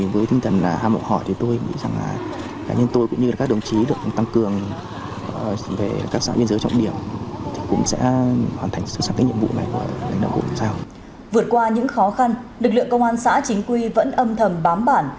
vượt qua những khó khăn lực lượng công an xã chính quy vẫn âm thầm bám bản